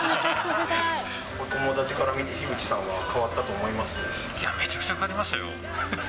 お友達から見て樋口さんは変いや、めちゃくちゃ変わりましたよ。